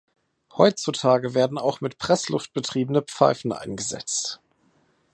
Heutzutage werden auch mit Pressluft betriebene Pfeifen eingesetzt.